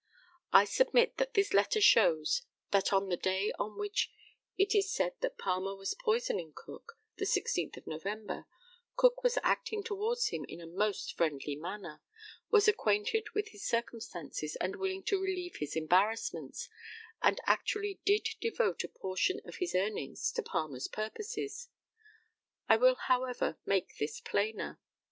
I submit that this letter shows that on the day on which it is said that Palmer was poisoning Cook, the 16th of November, Cook was acting towards him in a most friendly manner, was acquainted with his circumstances, and willing to relieve his embarrassments, and actually did devote a portion of his earnings to Palmer's purposes. I will, however, make this plainer.